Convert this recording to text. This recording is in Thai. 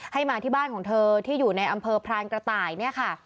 ให้มาที่บ้านของเธอที่อยู่ในอำเภอพรานกระต่ายเนี่ยค่ะ